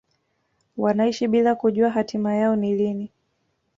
wanaishi bila kujua hatima yao ni lini